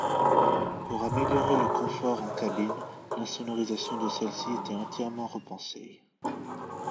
Pour améliorer le confort en cabine l’insonorisation de celle-ci était entièrement repensée.